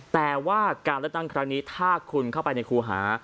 แต่ว่าการเลือกตั้งครั้งนี้ถ้าคุณเข้าไปในครูหา